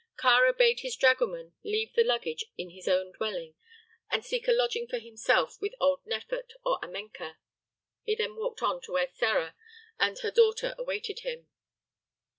Kāra bade his dragoman leave the luggage in his own dwelling and seek a lodging for himself with old Nefert or Amenka. He then walked on to where Sĕra and her daughter awaited him.